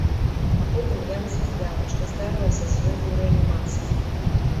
А потым я высвятляла, што здарылася з ёй у рэанімацыі.